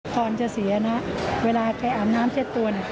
ตอนจะเสียนะเวลาแกอาบน้ำเจ็ดตัว